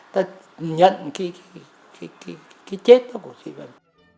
ta nhận cái chết đó của sư vân